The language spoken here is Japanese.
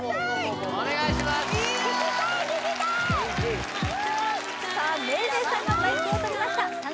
お願いしますさあＭａｙＪ．さんがマイクを取りましたさあ